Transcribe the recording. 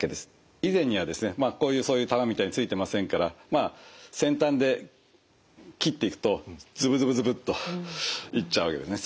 以前にはですねこういう玉みたいのついてませんからまあ先端で切っていくとズブズブズブッと行っちゃうわけですね。